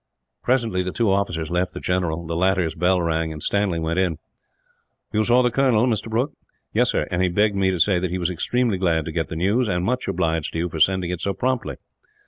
Presently the two officers left the general. The latter's bell rang, and Stanley went in. "You saw the colonel, Mr. Brooke?" "Yes, sir; and he begged me to say that he was extremely glad to get the news, and much obliged to you for sending it so promptly."